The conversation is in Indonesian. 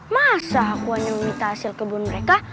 dia gueram nah bladder tu